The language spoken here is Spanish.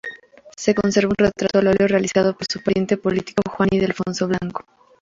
Se conserva un retrato al óleo realizado por su pariente político Juan Ildefonso Blanco.